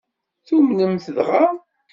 Tumnem-t dɣa?